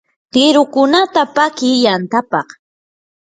qirukunata paki yantapaq.